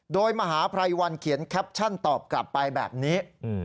โดยมหาภัยวันเขียนแคปชั่นตอบกลับไปแบบนี้